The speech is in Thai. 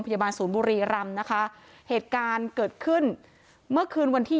โรงพยาบาลศูนย์บุรีรำนะคะเหตุการณ์เกิดขึ้นเมื่อคืนวันที่